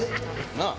なあ？